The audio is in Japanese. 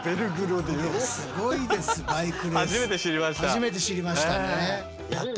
初めて知りましたね。